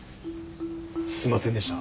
すいませんでした。